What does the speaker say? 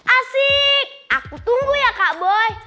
asik aku tunggu ya kak boy